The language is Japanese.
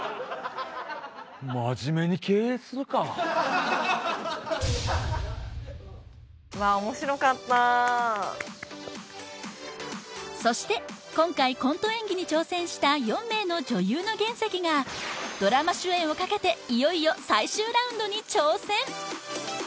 真面目に経営するかそして今回コント演技に挑戦した４名の女優の原石がドラマ主演をかけていよいよ最終ラウンドに挑戦